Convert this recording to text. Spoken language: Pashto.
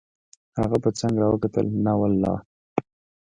هغه په څنګ را وکتل: نه والله.